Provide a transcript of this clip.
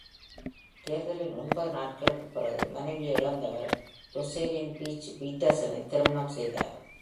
தேர்தலின் ஒன்பது நாட்களுக்குப் பிறகு, மனைவியை இழந்தவர் ஜோசெலின் பிர்ச் பீட்டர்சனை திருமணம் செய்தார்.